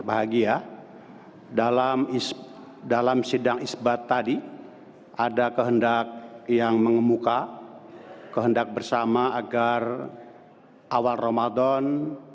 bahagia dalam sidang isbat tadi ada kehendak yang mengemuka kehendak bersama agar awal ramadan